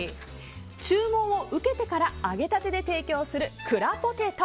注文を受けてから揚げたてで提供する、くらポテト。